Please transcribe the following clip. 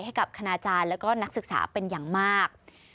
ให้กับคณาจารย์แล้วก็นักศึกษาเป็นอย่างมาก